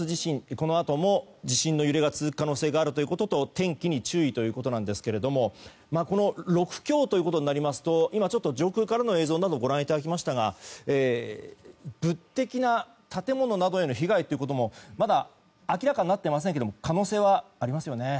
このあとも地震の揺れが続く可能性があるということと天気に注意ということですが６強となりますと今、上空からの映像などもご覧いだたきましたが物的な建物などへの被害ということもまだ、明らかになっていませんが可能性はありますよね？